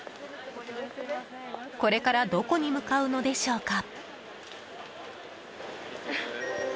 これからどこに向かうのでしょうか。